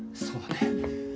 そうだね。